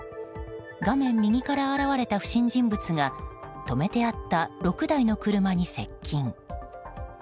画面右から現れた不審人物が止めてあった６台の車に接近。